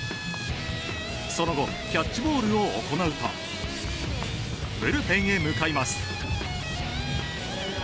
その後、キャッチボールを行うとブルペンへ向かいます。